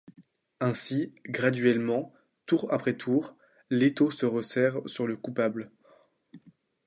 Ainsi, graduellement, tour après tour, l'étau se resserre sur le coupable.